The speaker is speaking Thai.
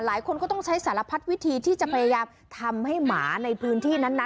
หลายคนก็ต้องใช้สารพัดวิธีที่จะพยายามทำให้หมาในพื้นที่นั้นนะ